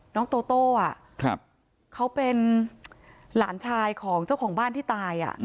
น้องโตโต้เขาเป็นหลานชายของเจ้าของบ้านที่ตาย